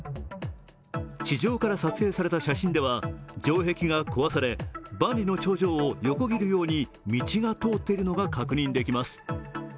地上から撮影された写真では城壁が壊され、万里の長城を横切るように道が通っているのが確認できます。